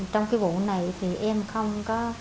trong cái vụ này thì em không có